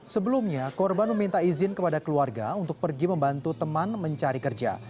sebelumnya korban meminta izin kepada keluarga untuk pergi membantu teman mencari kerja